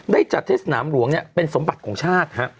ได้จัดเทศสนามหลวงเนี่ยเป็นสมบัติของชาติ